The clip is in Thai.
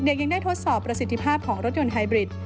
ยังได้ทดสอบประสิทธิภาพของรถยนต์ไฮบริด